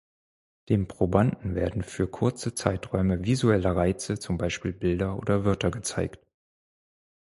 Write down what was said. Dem Probanden werden für kurze Zeiträume visuelle Reize, zum Beispiel Bilder oder Wörter gezeigt.